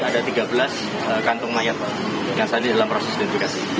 ada tiga belas kantung mayat yang tadi dalam proses identifikasi